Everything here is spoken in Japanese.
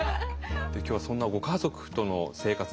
今日はそんなご家族との生活